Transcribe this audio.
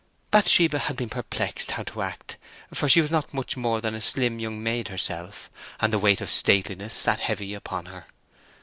Bathsheba had been perplexed how to act, for she was not much more than a slim young maid herself, and the weight of stateliness sat heavy upon her.